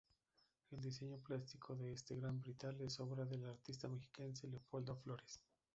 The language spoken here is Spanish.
El diseño plástico de este gran vitral es obra del artista mexiquense Leopoldo Flores.